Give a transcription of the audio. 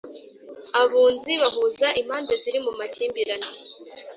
abunzi bahuza impande ziri mu makimbirane